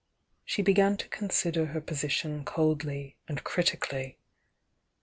She began to consider her position coldly and critically.